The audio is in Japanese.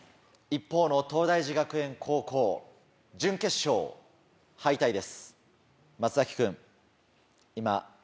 一方の東大寺学園高校準決勝敗退です。